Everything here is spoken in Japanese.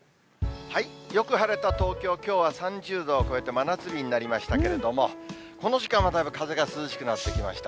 よく晴れた東京、きょうは３０度を超えて真夏日になりましたけれども、この時間はだいぶ風が涼しくなってきました。